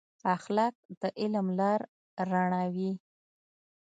اخلاق د علم لار رڼوي.